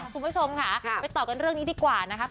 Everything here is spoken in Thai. คุณผู้ชมค่ะไปต่อกันเรื่องนี้ดีกว่านะครับ